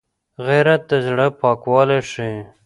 غیرت د زړه پاکوالی ښيي